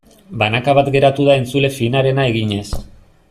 Banaka bat geratu da entzule finarena eginez.